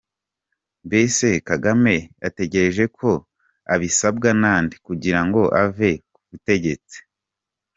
Mbese Kagame ategereje ko abisabwa na nde kugirango ave ku butegetsi?